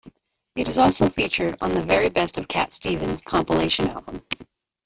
It is also featured on "The Very Best of Cat Stevens" compilation album.